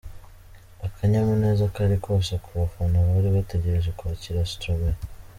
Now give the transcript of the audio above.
Akanyamuneza kari kose ku bafana bari bategereje kwakira Stromae.